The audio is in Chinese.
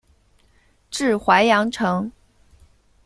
治淮阳城。